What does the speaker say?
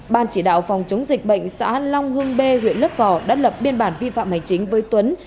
ban chỉ đạo phòng chống dịch bệnh xã long hưng bê huyện lấp vò đã lập biên bản vi phạm hành chính với tuấn